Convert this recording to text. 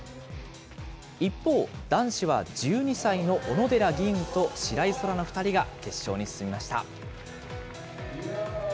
一方、男子は１２歳の小野寺吟雲と白井空良の２人が決勝に進みました。